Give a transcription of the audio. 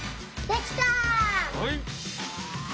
できたよ！